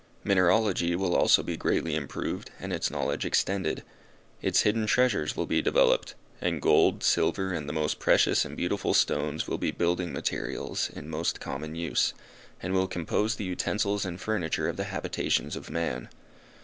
Mineralogy will also be greatly improved, and its knowledge extended. Its hidden treasures will be developed, and gold, silver and the most precious and beautiful stones will be the building materials in most common use, and will compose the utensils and furniture of the habitations of man.